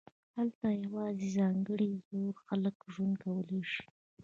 هلته یوازې ځانګړي زړور خلک ژوند کولی شي